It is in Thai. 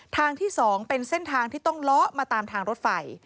ทางที่๒เป็นเส้นทางที่ต้องเลาะมาตามทางรถไฟ